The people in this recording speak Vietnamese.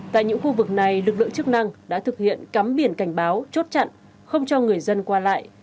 tại những khu vực này lực lượng chức năng đã thực hiện cắm biển cảnh báo chốt chặn không cho người dân qua lại